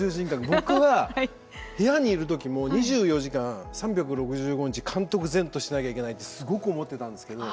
僕は、部屋にいる時も２４時間、３６５日監督然としていなきゃいけないとすごく思ってたんですけど。